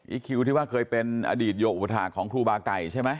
อีกีวที่ว่าเคยเป็นอดีตโยบุรุษฐาของครูบาลไก่ใช่ไหม